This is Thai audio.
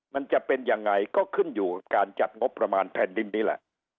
มันจะเป็นยังไงก็ขึ้นอยู่การจัดงบประมาณแผ่นดินนี้แหละ